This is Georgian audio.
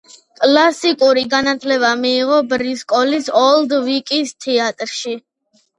კლასიკური განათლება მიიღო ბრისტოლის ოლდ ვიკის თეატრში.